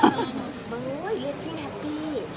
อันนี้จะเป็นวันหน้าที่เขาจะมีโอกาสแล้วเลี้ยงลูก